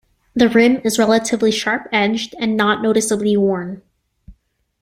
The rim is relatively sharp-edged and not noticeably worn.